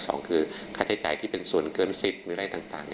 สองคือคาเทศจาที่เป็นส่วนเกินศาสตร์ถึงอะไรต่าง